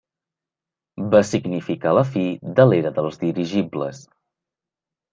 Va significar la fi de l'era dels dirigibles.